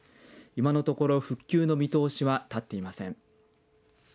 今のところ復旧の見通しは立っていません。